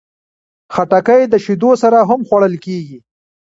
خټکی د شیدو سره هم خوړل کېږي.